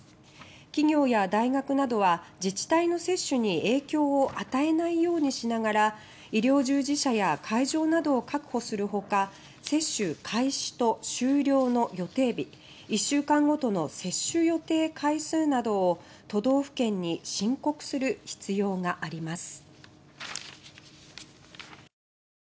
企業や大学などは自治体の接種に影響を与えないようにしながら医療従事者や会場などを確保するほか接種開始と終了の予定日１週間ごとの接種予定回数などを都道府県に申告する必要があります。